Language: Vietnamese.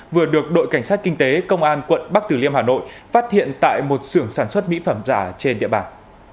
vừa được đội cảnh sát kinh tế công an quận bắc tử liêm hà nội phát hiện tại một sưởng sản xuất mỹ phẩm giả trên địa bàn